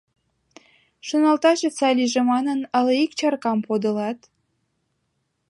Шоналташет сай лийже манын, ала ик чаркам подылат?